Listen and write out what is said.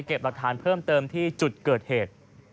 หลักฐานเพิ่มเติมที่จุดเกิดเหตุ